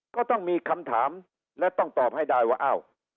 ก็ต้องมีคำถามและต้องตอบให้ได้ว่าอ้าว